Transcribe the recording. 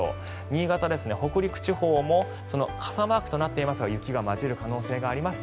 新潟、北陸地方も傘マークとなっていますが雪が交じる可能性があります。